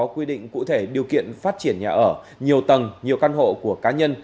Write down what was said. quy định cụ thể điều kiện phát triển nhà ở nhiều tầng nhiều căn hộ của cá nhân